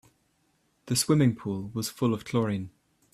The swimming pool was full of chlorine.